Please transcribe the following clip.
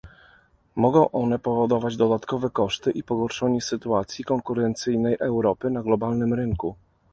Mogą one powodować dodatkowe koszty i pogorszenie sytuacji konkurencyjnej Europy na globalnym rynku